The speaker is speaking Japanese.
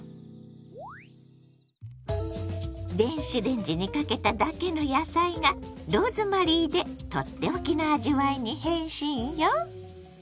電子レンジにかけただけの野菜がローズマリーでとっておきの味わいに変身よ。